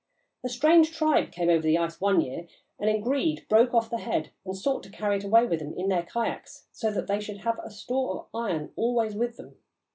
A strange tribe came over the ice one year and, in greed, broke off the head and sought to carry it away with them in their kayaks, so that they should have a store of the iron always with them.